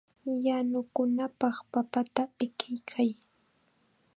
Yanukunapaq papata ikiykay.